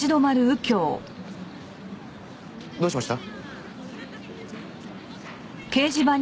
どうしました？